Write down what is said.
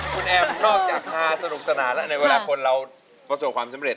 คุณแอมนอกจากฮาสนุกสนานแล้วในเวลาคนเราประสบความสำเร็จ